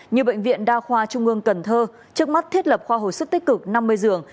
như bệnh viện đa khoa trung ương cần thơ trước mắt thiết lập khoa hồi sức tích cực năm mươi giường